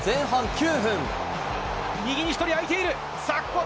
右に１人空いている！